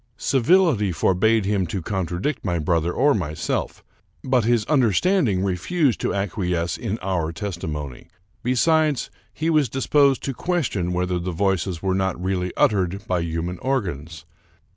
Civility forbade him to contradict my brother or myself, but his understanding re fused to acquiesce in our testimony. Besides, he was dis posed to question whether the voices were not really uttered by human organs.